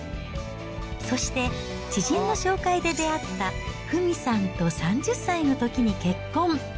そして、知人の紹介で出会った、ふみさんと３０歳のときに結婚。